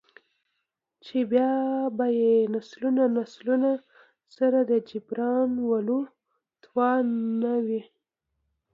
،چـې بـيا بـه يې نسلونه نسلونه سـره د جـبران ولـو تـوان نـه وي.